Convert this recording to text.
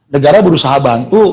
negara berusaha bantu